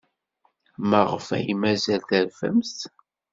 Maɣef ay mazal terfamt?